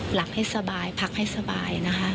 หลับให้สบายพักให้สบายนะคะ